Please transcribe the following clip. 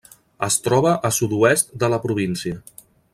Es troba a sud-oest de la província.